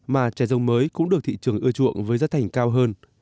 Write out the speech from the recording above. mà trái rồng mới cũng được thị trường ưa chuộng với giá thành cao hơn